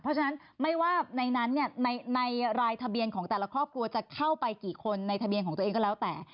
เพราะฉะนั้นไม่ว่าในนั้นเนี่ยในรายทะเบียนของแต่ละครอบครัวจะเข้าไปกี่คนในทะเบียนของตัวเองก็แล้วแต่